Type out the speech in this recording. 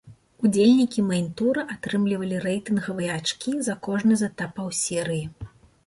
Удзельнікі мэйн-тура атрымлівалі рэйтынгавыя ачкі за кожны з этапаў серыі.